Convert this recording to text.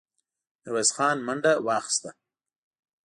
ميرويس خان منډه واخيسته.